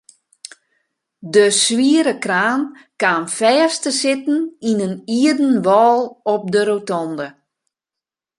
De swiere kraan kaam fêst te sitten yn in ierden wâl op de rotonde.